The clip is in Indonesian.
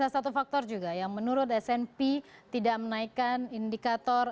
ada satu faktor juga yang menurut snp tidak menaikkan indikator